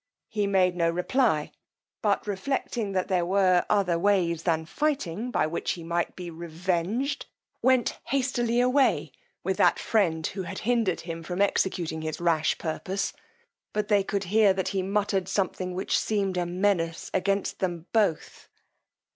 he made no reply, but reflecting that there were other ways than fighting, by which he might be revenged, went hastily away with that friend who had hindered him from executing his rash purpose; but they could hear that he muttered something which seemed a menace against them both.